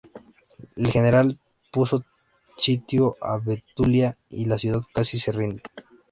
El general puso sitio a Betulia y la ciudad casi se rinde.